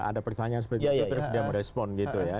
ada pertanyaan seperti itu terus dia merespon gitu ya